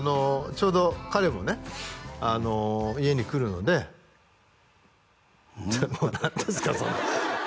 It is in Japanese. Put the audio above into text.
ちょうど彼もね家に来るのでちょっと何ですか？